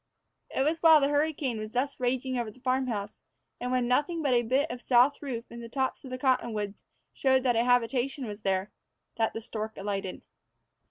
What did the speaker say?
It was while the hurricane was thus raging over the farm house, and when nothing but a bit of south roof and the tops of the cottonwoods showed that a habitation was there, that the stork alighted.